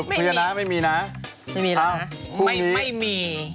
เขาบอกว่าไม่มีอะไร